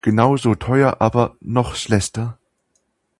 Genauso teuer, aber noch schlechter.